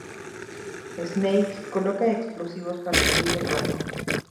Snake coloca explosivos para hundir el barco.